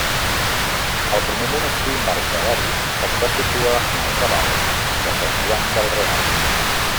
El primer monestir mercedari es va situar en el raval de Sant Joan del Real.